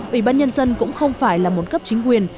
ủy ban nhân dân cũng không phải là một cấp chính quyền